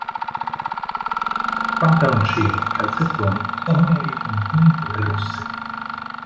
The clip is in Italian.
Pantaloncini e calzettoni sono neri con finiture rosse.